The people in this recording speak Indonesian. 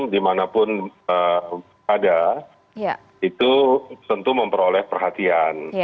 dimanapun ada itu tentu memperoleh perhatian